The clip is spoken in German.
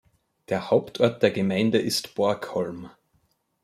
Der Hauptort der Gemeinde ist Borgholm.